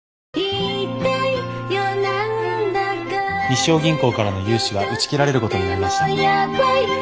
日章銀行からの融資が打ち切られることになりました。